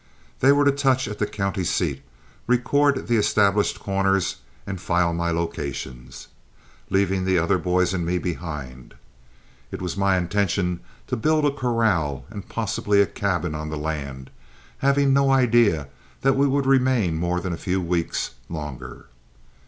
They were to touch at the county seat, record the established corners and file my locations, leaving the other boys and me behind. It was my intention to build a corral and possibly a cabin on the land, having no idea that we would remain more than a few weeks longer.